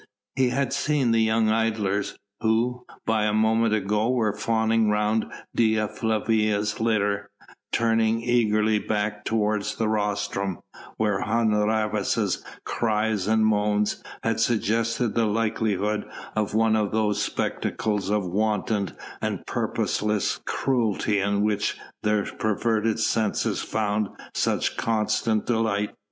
He had seen the young idlers who, but a moment ago, were fawning round Dea Flavia's litter turning eagerly back towards the rostrum, where Hun Rhavas' cries and moans had suggested the likelihood of one of those spectacles of wanton and purposeless cruelty in which their perverted senses found such constant delight.